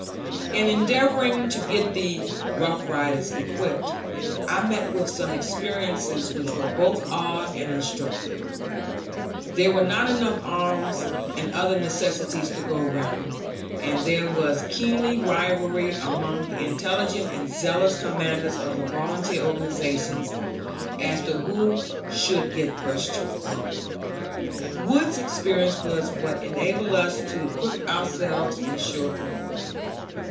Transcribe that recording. In endeavoring to get the "Rough Riders" equipped I met with some experiences which were both odd and instructive. There were not enough arms and other necessaries to go round, and there was keen rivalry among the intelligent and zealous commanders of the volunteer organizations as to who should get first choice. Wood's experience was what enabled us to equip ourselves in short order.